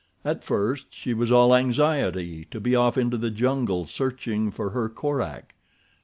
At first she was all anxiety to be off into the jungle searching for her Korak.